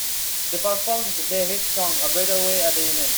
They performed their hit song, "A Better Way" at the event.